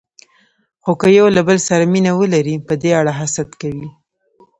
خو که یو له بل سره مینه ولري، په دې اړه حسد کوي.